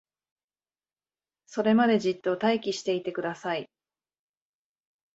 それまでじっと待機していてください